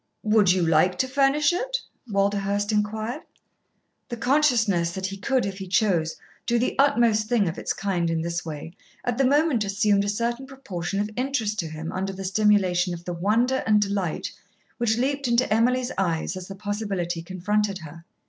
"Would you like to furnish it?" Walderhurst inquired. The consciousness that he could, if he chose, do the utmost thing of its kind in this way, at the moment assumed a certain proportion of interest to him under the stimulation of the wonder and delight which leaped into Emily's eyes as the possibility confronted her.